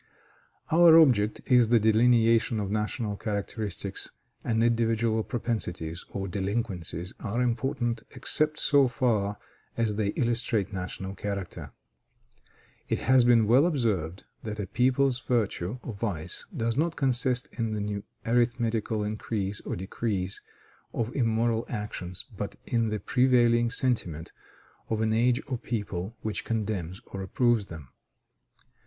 Our object is the delineation of national characteristics, and individual propensities or delinquencies are unimportant except so far as they illustrate national character. It has been well observed that a people's virtue or vice does not consist in the arithmetical increase or decrease of immoral actions, but in the prevailing sentiment of an age or people, which condemns or approves them.